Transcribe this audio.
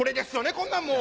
こんなんもう。